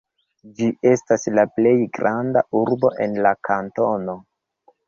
Ĝi estas la plej granda urbo en la kantono.